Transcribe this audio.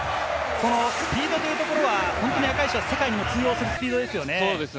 スピードというところは赤石は世界にも通用するスピードですよね。